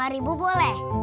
lima ribu boleh